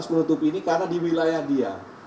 menutupi ini karena di wilayah dia